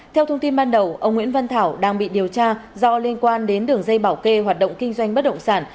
theo thông tin ban đầu ông nguyễn văn thảo đang bị điều tra do liên quan đến đường dây bảo kê hoạt động kinh doanh bất động sản